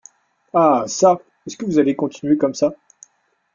Ah çà ! est-ce que vous allez continuer comme ça ?…